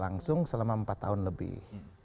langsung selama empat tahun lebih